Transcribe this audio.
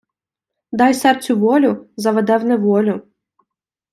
Дай серцю волю — заведе в неволю.